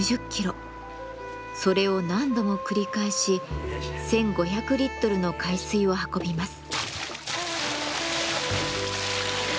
それを何度も繰り返し１，５００リットルの海水を運びます。